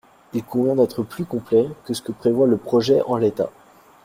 Il convient d’être plus complet que ce que prévoit le projet en l’état.